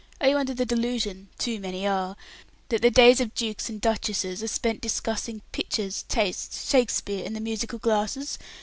Are you under the delusion too many are that the days of dukes and duchesses are spent discussing "pictures, tastes, Shakespeare, and the musical glasses?"